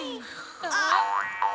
あっ。